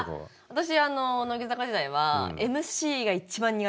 私乃木坂時代はＭＣが一番苦手で。